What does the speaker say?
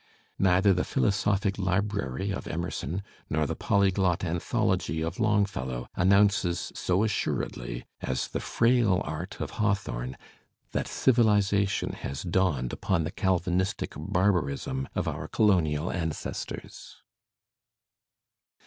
Neither the philosophic Ubrary of Emerson nor the polyglot anthology of Longfellow announces so assuredly as the frail art (ft Hawthorne that civilization has dawned upon the Calvinistic barbarism of our colonial ancestors.